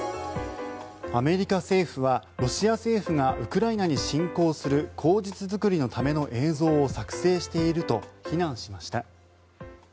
アメリカ政府はロシア政府がウクライナに侵攻する口実作りのための映像を作成していると非難しました。